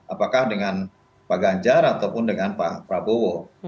apakah dengan pak ganjar ataupun dengan pak prabowo